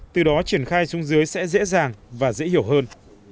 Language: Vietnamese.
từ đó triển khai xuống dưới sẽ dễ dàng và dễ hiểu hơn